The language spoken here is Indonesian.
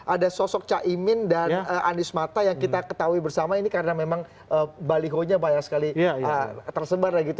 ada sosok caimin dan andi smarta yang kita ketahui bersama ini karena memang balihonya banyak sekali tersebar